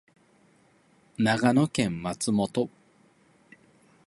長野県松本